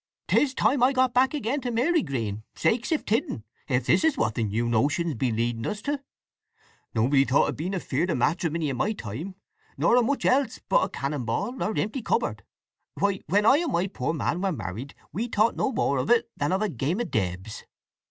'Tis time I got back again to Marygreen—sakes if tidden—if this is what the new notions be leading us to! Nobody thought o' being afeard o' matrimony in my time, nor of much else but a cannon ball or empty cupboard! Why when I and my poor man were married we thought no more o't than of a game o' dibs!"